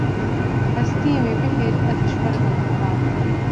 hestiyên wê bihêrim, ez ê ji xwe re bikim xwarin.